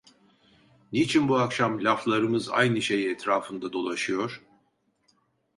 Niçin bu akşam laflarımız aynı şey etrafında dolaşıyor?